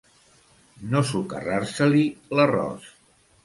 No socarrar-se-li l'arròs.